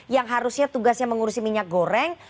yang harusnya tugasnya mengurusi minyak goreng